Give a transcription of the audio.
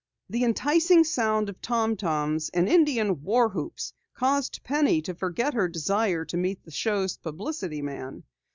The enticing sound of tom toms and Indian war whoops caused Penny to forget her desire to meet the show's publicity man.